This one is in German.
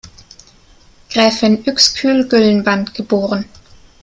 Gräfin Üxküll-Gyllenband, geboren.